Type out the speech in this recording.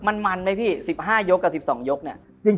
มันไหมพี่๑๕ยกกับ๑๒ยกเนี่ย